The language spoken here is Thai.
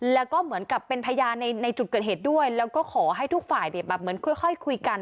แล้วก็เหมือนกับเป็นพยานในจุดเกิดเหตุด้วยแล้วก็ขอให้ทุกฝ่ายเนี่ยแบบเหมือนค่อยคุยกัน